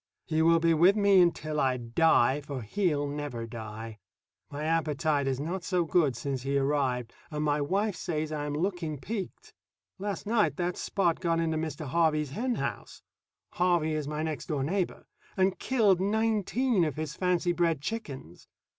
He will be with me until I die, for he'll never die. My appetite is not so good since he arrived, and my wife says I am looking peaked. Last night that Spot got into Mr. Harvey's hen house (Harvey is my next door neighbor) and killed nineteen of his fancy bred chickens.